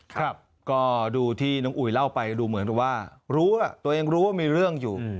ครับก็ดูที่น้องอุ๋ยเล่าไปดูเหมือนว่ารู้ว่าตัวเองรู้ว่ามีเรื่องอยู่